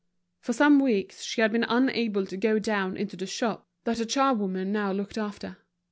For some weeks she had been unable to go down into the shop that a charwoman now looked after.